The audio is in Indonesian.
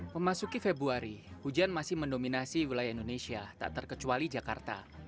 memasuki februari hujan masih mendominasi wilayah indonesia tak terkecuali jakarta